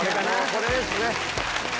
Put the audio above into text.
これですね。